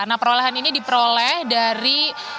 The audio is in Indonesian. nah perolehan ini diperoleh dari